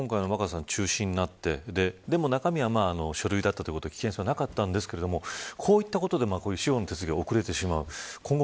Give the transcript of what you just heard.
結果、今回中止になってでも中身は書類だったいうことで危険性はなかったんですがこういったことで司法の手続きが遅れてしまう。